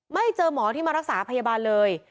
ไม่เจอหมอที่มารักษาพยาบาลเลย